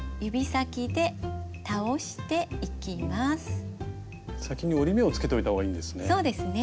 先に折り目をつけておいた方がいいんですね。